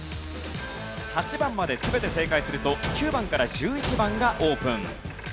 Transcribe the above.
８番まで全て正解すると９番から１１番がオープン。